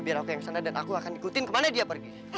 biar aku yang kesana dan aku akan ikutin kemana dia pergi